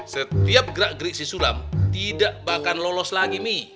setiap gerak gerik si sulam tidak bahkan lolos lagi mi